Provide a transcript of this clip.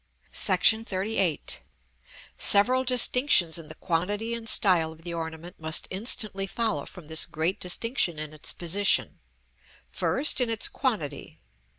§ XXXVIII. Several distinctions in the quantity and style of the ornament must instantly follow from this great distinction in its position. First, in its quantity.